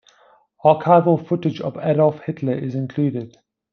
Archival footage of Adolf Hitler is included.